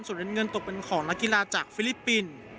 ส่วนเงินตกเป็นของนักกีฬาจากฟิลิปปินส์